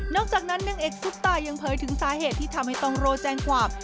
อกจากนั้นนางเอกซุปตายังเผยถึงสาเหตุที่ทำให้ต้องรอแจ้งความ